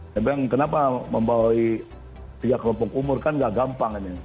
saya bilang kenapa membawai tiga kelompok umur kan gak gampang ini